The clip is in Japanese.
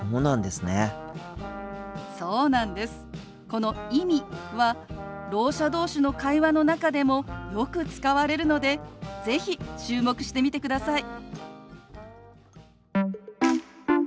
この「意味」はろう者同士の会話の中でもよく使われるので是非注目してみてください。